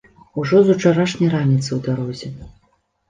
Ужо з учарашняй раніцы ў дарозе.